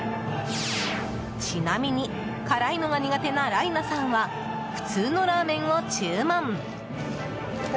ちなみに辛いのが苦手なライナさんは普通のラーメンを注文。